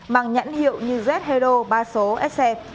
mang nhãn hiệu như z hero ba số sf